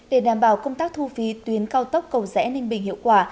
để đảm bảo công tác thu phí tuyến cao tốc cầu rẽ ninh bình hiệu quả